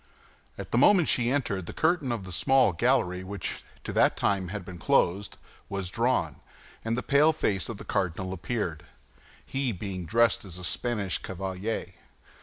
At the moment she entered, the curtain of a small gallery which to that time had been closed, was drawn, and the pale face of the cardinal appeared, he being dressed as a Spanish cavalier.